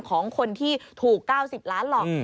ของคนที่ถูก๙๐ล้านหรอก